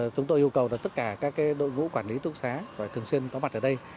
chúng tôi yêu cầu tất cả các đội ngũ quản lý túc xá phải thường xuyên có mặt ở đây